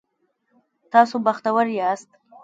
تاسو بختور یاست